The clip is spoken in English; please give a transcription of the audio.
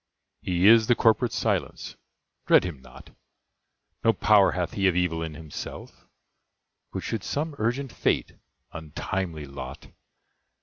He is the corporate Silence: dread him not! No power hath he of evil in himself; But should some urgent fate (untimely lot!)